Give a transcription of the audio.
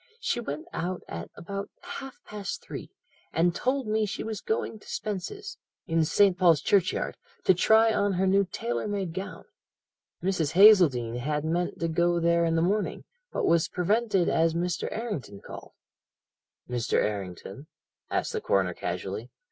She went out at about half past three, and told me she was going to Spence's, in St. Paul's Churchyard, to try on her new tailor made gown. Mrs. Hazeldene had meant to go there in the morning, but was prevented as Mr. Errington called.' "'Mr. Errington?' asked the coroner casually.